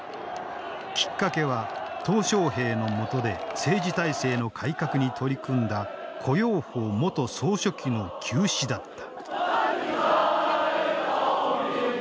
きっかけは小平の下で政治体制の改革に取り組んだ胡耀邦元総書記の急死だった。